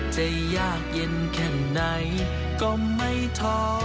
จะยากเย็นแค่ไหนก็ไม่ท้อ